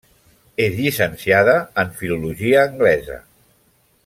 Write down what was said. És llicenciada en filologia anglesa.